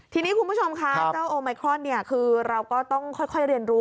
ทีนี้คุณผู้ชมคะเจ้าโอไมครอนเนี่ยคือเราก็ต้องค่อยเรียนรู้